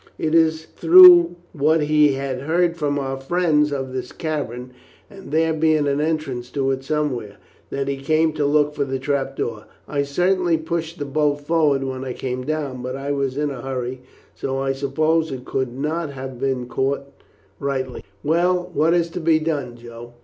It is through what he had heard from our friends of this cavern, and there being an entrance to it somewhere, that he came to look for the trap door. I certainly pushed the bolt forward when I came down, but I was in a hurry, so I suppose it could not have caught rightly." "Well, what is to be done, Joe?"